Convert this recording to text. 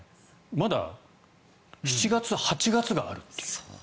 まだ７月、８月があるという。